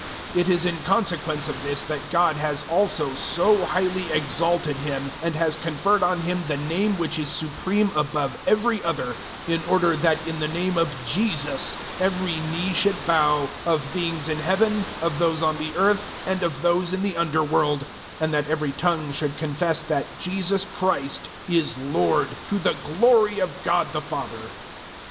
002:009 It is in consequence of this that God has also so highly exalted Him, and has conferred on Him the Name which is supreme above every other, 002:010 in order that in the Name of JESUS every knee should bow, of beings in Heaven, of those on the earth, and of those in the underworld, 002:011 and that every tongue should confess that JESUS CHRIST is LORD, to the glory of God the Father.